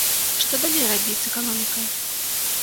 Што далей рабіць з эканомікай?